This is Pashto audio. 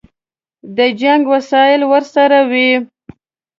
د جنګ وسایل ورسره وي.